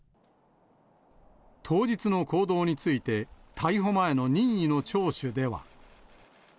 当日の行動について、逮捕前の任意の聴取では。